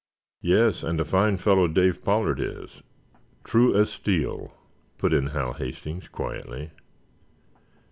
"Yes, and a fine fellow Dave Pollard is—true as steel," put in Hal Hastings, quietly.